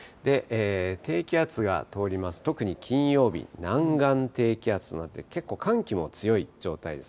低気圧が通りますと、特に金曜日、南岸低気圧となって、結構、寒気も強い状態です。